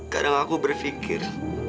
kadang aku berpikir